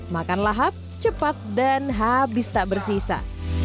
makan lahap cepat dan habis tak bersisa